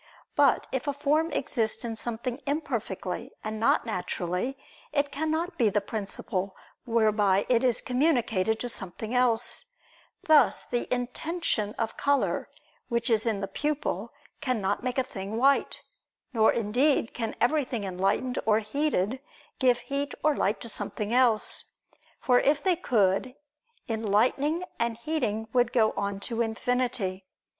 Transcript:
But if a form exist in something imperfectly, and not naturally, it cannot be the principle whereby it is communicated to something else: thus the intention of color which is in the pupil, cannot make a thing white; nor indeed can everything enlightened or heated give heat or light to something else; for if they could, enlightening and heating would go on to infinity.